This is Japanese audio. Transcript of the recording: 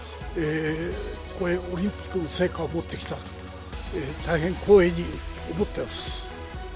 ここへオリンピックの聖火を持ってきた、大変光栄に思っています。